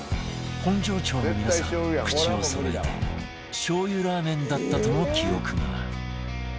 本庄町の皆さん口をそろえてしょうゆラーメンだったとの記憶がある